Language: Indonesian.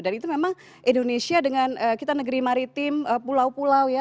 dan itu memang indonesia dengan kita negeri maritim pulau pulau ya